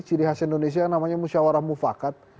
ciri khas indonesia yang namanya musyawarah mufakat